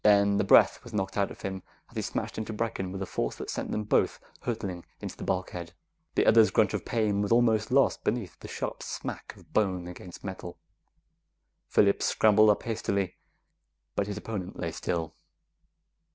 Then the breath was knocked out of him as he smashed into Brecken with a force that sent them both hurtling into the bulkhead. The other's grunt of pain was almost lost beneath the sharp smack of bone against metal. Phillips scrambled up hastily, but his opponent lay still.